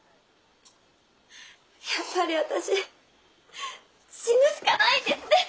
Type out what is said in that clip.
やっぱり私死ぬしかないんですね！